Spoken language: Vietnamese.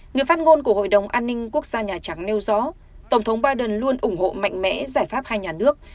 người phát ngôn của hội đồng an ninh quốc gia nhà trắng nêu rõ tổng thống biden luôn ủng hộ mạnh mẽ giải pháp hai nhà nước